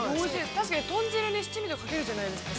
◆確かに豚汁に七味をかけるじゃないですか。